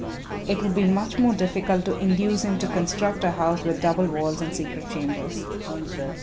It would be much more difficult to induce him to construct a house with double walls and secret chambers."